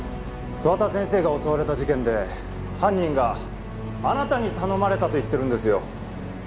桑田先生が襲われた事件で犯人があなたに頼まれたと言ってるんですよ。